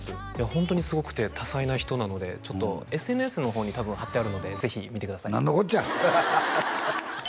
ホントにすごくて多才な人なのでちょっとＳＮＳの方に多分貼ってあるのでぜひ見てください何のこっちゃ！